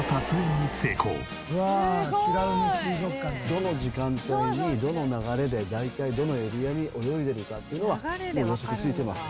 どの時間帯にどの流れで大体どのエリアに泳いでるかっていうのはもう予測ついてます。